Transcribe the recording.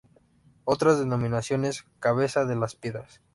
Otras denominaciones: Cabezo de las Piedras.